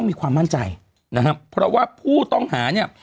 มีความมั่นใจนะครับเพราะว่าผู้ต้องหาเนี่ย